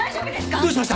・どうしました？